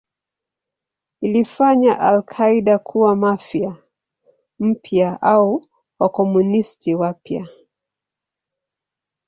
Ilifanya al-Qaeda kuwa Mafia mpya au Wakomunisti wapya.